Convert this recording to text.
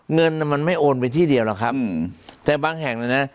เงินน่ะมันไม่โอนไปที่เดียวหรอกครับแต่บางแห่งเลยนะ